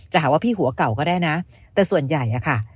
หาว่าพี่หัวเก่าก็ได้นะแต่ส่วนใหญ่อะค่ะ